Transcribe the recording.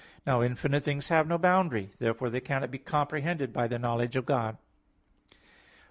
Now infinite things have no boundary. Therefore they cannot be comprehended by the knowledge of God. Obj.